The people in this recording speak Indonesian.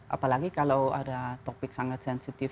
apalagi kalau ada topik sangat sensitif